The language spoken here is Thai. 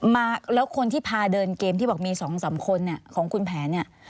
มาแล้วคนที่พาเดินเกมที่บอกมีสองสามคนเนี่ยของคุณแผนเนี่ย